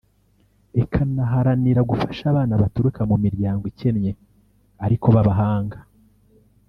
ikanaharanira gufasha abana baturuka mu miryango ikennye ariko b’abahanga